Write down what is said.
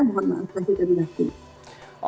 mohon maaf terima kasih